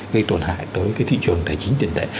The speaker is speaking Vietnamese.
gây tổn hại tới cái thị trường tài chính tiền tệ